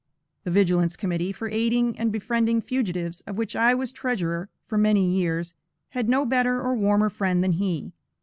The "Vigilance Committee," for aiding and befriending fugitives, of which I was treasurer for many years, had no better or warmer friend than he.